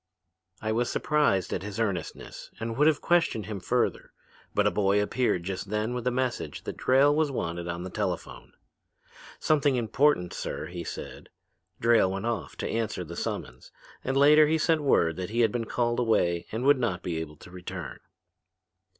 "I was surprised at his earnestness and would have questioned him further. But a boy appeared just then with a message that Drayle was wanted at the telephone. "Something important, sir," he said. Drayle went off to answer the summons and later he sent word that he had been called away and would not be able to return.